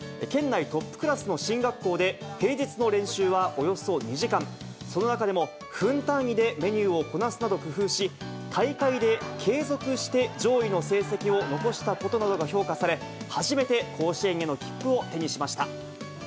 県内トップクラスの進学校で、平日の練習はおよそ２時間、その中でも分単位でメニューをこなすなど工夫し、大会で継続して上位の成績を残したことなどが評価され、初めて甲子園への切符を手にしました。